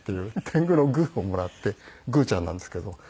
てんぐの「ぐ」をもらってぐーちゃんなんですけど。